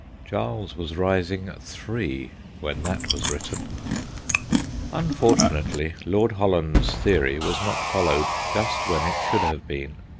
Charles was rising three when that was written, Unfortunately, Lord Holland's theory was not followed just when it should have been.